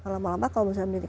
lama lama kalau misalnya milik